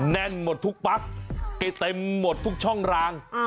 แน่นหมดทุกปั๊กเกเต็มหมดทุกช่องราง